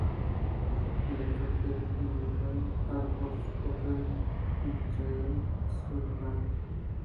El actor Kelly fue nominado al por su papel de Michael O'Sullivan.